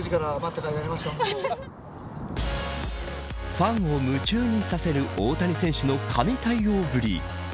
ファンを夢中にさせる大谷選手の神対応ぶり。